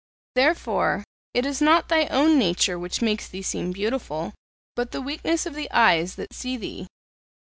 Therefore, it is not thy own nature that makes thee seem beautiful, but the weakness of the eyes that see thee.